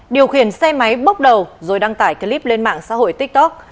điều khiển xe máy bốc đầu rồi đăng tải clip lên mạng xã hội tiktok